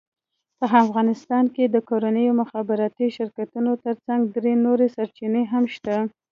په افغانستان کې د کورنیو مخابراتي شرکتونو ترڅنګ درې نورې سرچینې هم شته،